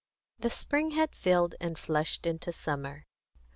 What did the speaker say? XV. The spring had filled and flushed into summer.